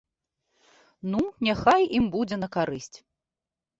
Ну, няхай ім будзе на карысць.